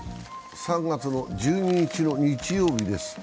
３月１２日の日曜日です。